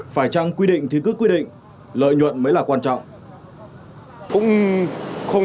phải chăng quy định thì cứ quy định lợi nhuận mới là quan trọng